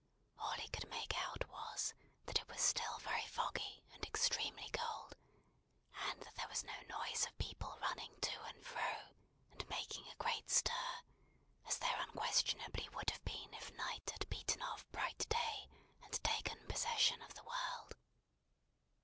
All he could make out was, that it was still very foggy and extremely cold, and that there was no noise of people running to and fro, and making a great stir, as there unquestionably would have been if night had beaten off bright day, and taken possession of the world.